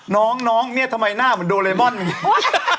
น้องเนี่ยทำไมหน้าเหมือนโดเรมอนมันยังไง